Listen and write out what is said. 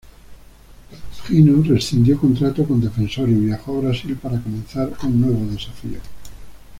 Gino rescindió contrato con Defensor y viajó a Brasil para comenzar un nuevo desafío.